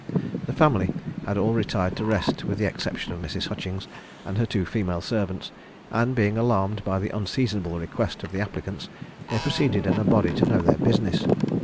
The family had all retired to rest, with the exception of Mrs. Hutchings and her two female servants, and being alarmed by the unseasonable request of the applicants, they proceeded in a body to know their business.